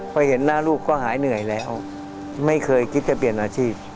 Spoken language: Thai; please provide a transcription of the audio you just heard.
พอเห็นหน้าลูกก็หายเหนื่อยแล้วไม่เคยคิดจะเปลี่ยนอาชีพ